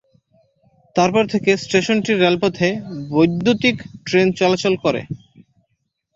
তারপর থেকে স্টেশনটির রেলপথে বৈদ্যুতীক ট্রেন চলাচল করে।